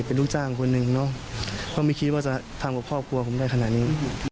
เป็นลูกจ้างคนหนึ่งเนอะก็ไม่คิดว่าจะทำกับครอบครัวผมได้ขนาดนี้